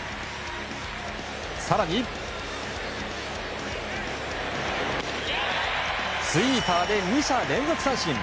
更に、スイーパーで２者連続三振。